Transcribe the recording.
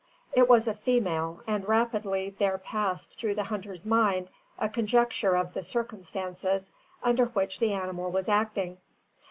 It was a female, and rapidly there passed through the hunter's mind a conjecture of the circumstances under which the animal was acting.